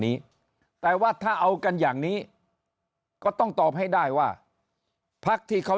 นี้แต่ว่าถ้าเอากันอย่างนี้ก็ต้องตอบให้ได้ว่าพักที่เขา